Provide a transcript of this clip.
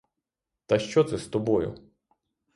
Та що це з тобою?